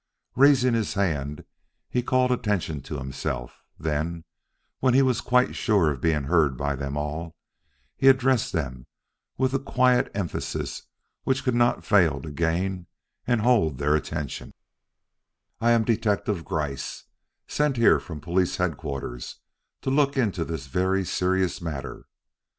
Raising his hand he called attention to himself; then, when he was quite sure of being heard by them all, he addressed them with a quiet emphasis which could not fail to gain and hold their attention: "I am Detective Gryce, sent here from Police Headquarters to look into this very serious matter.